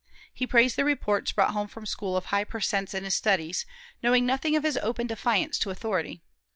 He praised the reports brought home from school of high per cents in his studies, knowing nothing of his open defiance to authority.